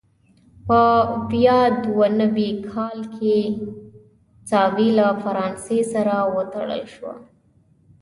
په ویا دوه نوي کال کې ساوې له فرانسې سره وتړل شوه.